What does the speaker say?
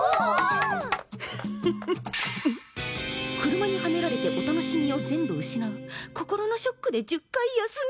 「車にはねられてお楽しみを全部失う心のショックで１０回休み」？